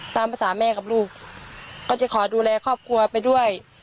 ตามภาษาแม่กับลูกก็จะขอดูแลครอบครัวไปด้วย